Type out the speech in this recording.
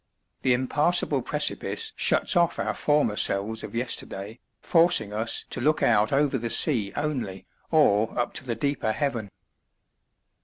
The impassable precipice shuts off our former selves of yesterday, forcing us to look out over the sea only, or up to the deeper heaven.